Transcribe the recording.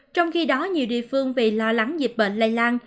trong khi đó nhiều địa phương vì lo lắng dịch bệnh lây lan